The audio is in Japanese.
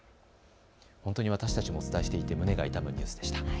本当に私たちもお伝えしていて胸が痛むニュースでした。